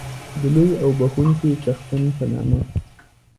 د لوی او بښوونکي څښتن په نامه.